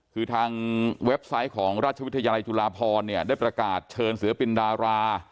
คือทางเว็บไซต์ของราชวิทยาลัยจุฬาพรเนี่ยได้ประกาศเชิญศิลปินดารา